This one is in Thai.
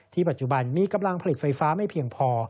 ปัจจุบันมีกำลังผลิตไฟฟ้าไม่เพียงพอ